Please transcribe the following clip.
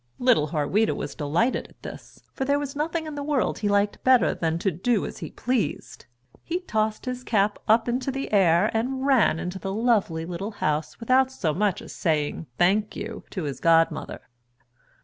Little Harweda was delighted at this, for there was nothing in the world he liked better than to do as he pleased. He tossed his cap up into the air and ran into the lovely little house without so much as saying "Thank you" to his godmother.